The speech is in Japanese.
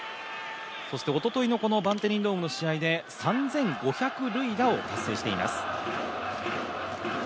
そしておとといのバンテリンドームの試合で３５００塁打を達成しています。